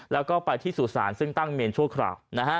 แล้วก็ไปที่สุสานซึ่งตั้งเมนชั่วคราว